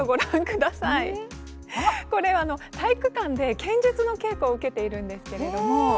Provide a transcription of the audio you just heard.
これは体育館で剣術の稽古を受けているんです。